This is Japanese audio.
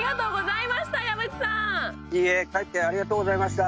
かえってありがとうございました